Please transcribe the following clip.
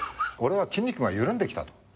俺は筋肉が緩んできたと。